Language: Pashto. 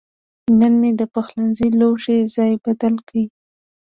نن مې د پخلنځي د لوښو ځای بدل کړ.